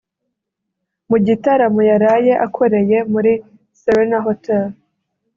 Mu gitaramo yaraye akoreye muri Serena Hotel